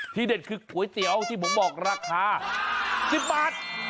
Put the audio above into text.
เด็ดคือก๋วยเตี๋ยวที่ผมบอกราคา๑๐บาท